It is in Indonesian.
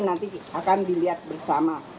nanti akan dilihat bersama